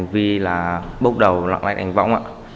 vì là bốc đầu lặng lách đánh võng ạ